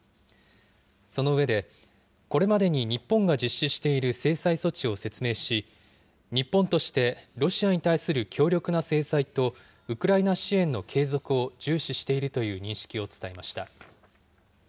その上で、これまでに日本が実施している制裁措置を説明し、日本としてロシアに対する強力な制裁と、ウクライナ支援の継続を重視しているという認識を伝えました。